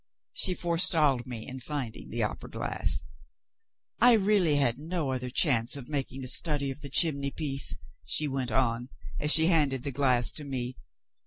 She forestalled me in finding the opera glass. "I really had no other chance of making a study of the chimney piece," she went on, as she handed the glass to me.